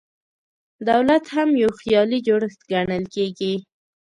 دولت هم یو خیالي جوړښت ګڼل کېږي.